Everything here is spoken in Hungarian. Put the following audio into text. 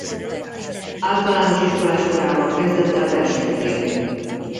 Általános iskolás korában kezdett el verseket írni.